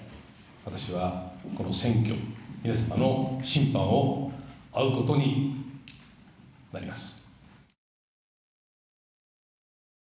私はこの選挙、皆様の審判を仰ぐことになります。